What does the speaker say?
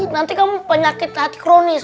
nanti kamu penyakit hati kronis